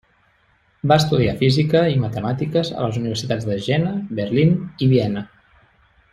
Va estudiar física i matemàtiques a les universitats de Jena, Berlín i Viena.